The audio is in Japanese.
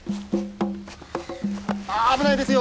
危ないですよ！